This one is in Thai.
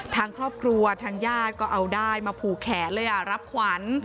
ทางครอบครัวทางญาติก็เอาได้มาผูกแขนเลยรับขวัญ